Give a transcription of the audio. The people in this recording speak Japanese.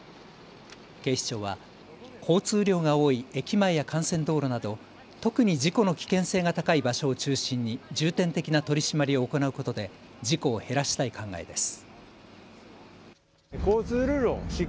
警視庁は交通量が多い駅前や幹線道路など特に事故の危険性が高い場所を中心に重点的な取締りを行うことで事故を減らしたい考えです。